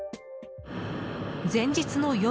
前日の夜。